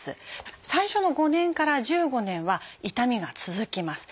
最初の５年から１５年は痛みが続きます。